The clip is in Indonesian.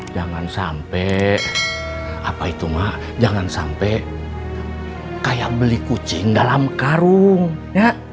jangan sampai apa itu mak jangan sampai kayak beli kucing dalam karung ya